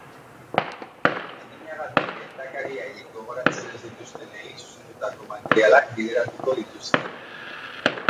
Adinagatik gertakari haiek gogoratzen ez dituztenei zuzendutako materialak bideratuko dituzte.